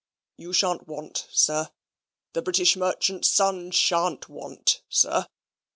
"You shan't want, sir. The British merchant's son shan't want, sir.